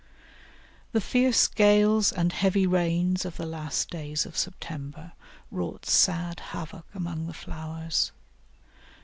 The fierce gales and heavy rains of the last days of September wrought sad havoc among the flowers.